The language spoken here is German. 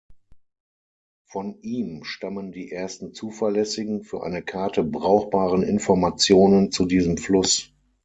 Von ihm stammen die ersten zuverlässigen, für eine Karte brauchbaren Informationen, zu diesem Fluss.